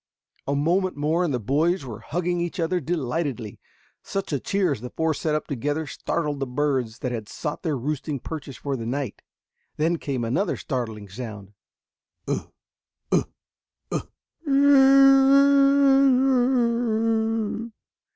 A moment more and the boys were hugging each other delightedly. Such a cheer as the four set up together startled the birds that had sought their roosting perches for the night. Then came another startling sound.